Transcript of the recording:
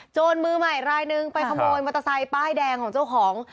มือใหม่รายนึงไปขโมยมอเตอร์ไซค์ป้ายแดงของเจ้าของ